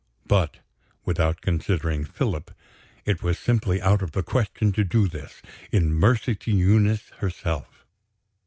But, without considering Philip, it was simply out of the question to do this, in mercy to Eunice herself.